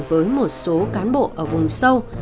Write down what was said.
với một số cán bộ ở vùng sâu